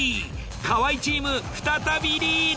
河合チーム再びリード。